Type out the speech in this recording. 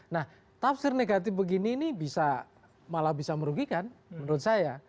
nah tafsir negatif begini ini bisa malah bisa merugikan menurut saya